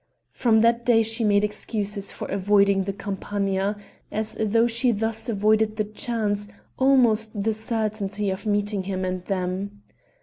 From that day she made excuses for avoiding the Campagna as though she thus avoided the chance, almost the certainty, of meeting him and them.